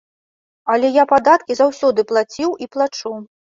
Але я падаткі заўсёды плаціў і плачу.